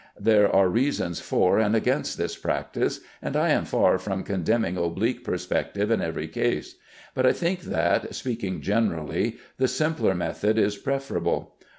There are reasons for and against this practice, and I am far from condemning oblique perspective in every case; but I think that, speaking generally, the simpler method is preferable.